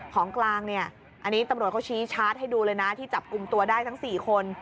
ของกลางเนี่ยอันนี้ตำรวจเขาชี้ชาร์จให้ดูเลยนะที่จับกลุ่มตัวได้ทั้ง๔คน